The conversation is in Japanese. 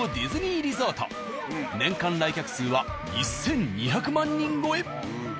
リゾート年間来客数は１２００万人超え。